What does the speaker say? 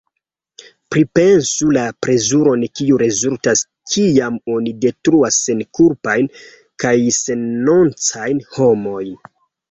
Pripensu la plezuron kiu rezultas kiam oni detruas senkulpajn kaj sennocajn homojn.